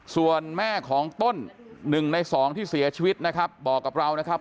ส่วนแม่ของต้น๑ใน๒ที่เสียชีวิตนะครับบอกกับเรานะครับ